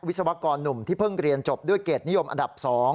ศวกรหนุ่มที่เพิ่งเรียนจบด้วยเกรดนิยมอันดับ๒